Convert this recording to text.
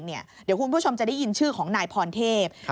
เดี๋ยวคุณผู้ชมจะได้ยินชื่อของนายพรเทพ